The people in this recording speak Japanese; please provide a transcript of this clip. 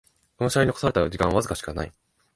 この試合に残された時間はわずかしかない